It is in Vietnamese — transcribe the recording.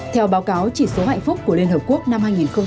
theo báo cáo chỉ số hạnh phúc của liên hợp quốc năm hai nghìn hai mươi